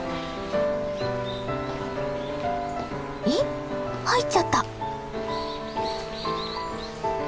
えっ入っちゃった。